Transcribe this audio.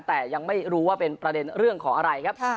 แต่ยังไม่รู้ว่าเป็นประเด็นเรื่องของอะไรครับ